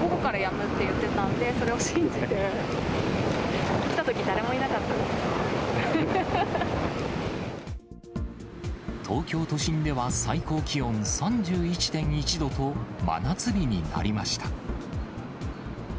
午後からやむっていってたんで、それを信じて、東京都心では最高気温３１．１度と、真夏日になりました。